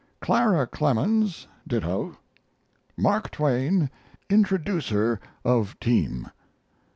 Clara Clemens, ditto. Mark Twain, introduces of team.